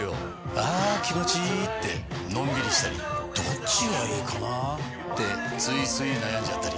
あ気持ちいいってのんびりしたりどっちがいいかなってついつい悩んじゃったり。